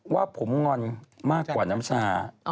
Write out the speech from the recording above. ว่าผมงอนมากกว่าน้ำชา